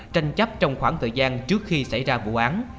tranh chấp trong khoảng thời gian trước khi xảy ra vụ án